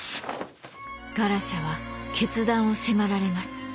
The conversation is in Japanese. ガラシャは決断を迫られます。